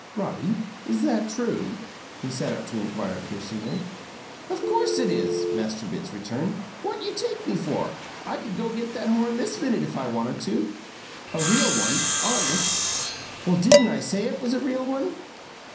"Roddy, is that true?" he sat up to inquire piercingly. "Of course it is!" Master Bitts returned. "What you take me for? I could go get that horn this minute if I wanted to." "A real one honest?" "Well, didn't I say it was a real one?"